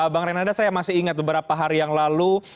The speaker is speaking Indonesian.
bang renanda saya masih ingat beberapa hari yang lalu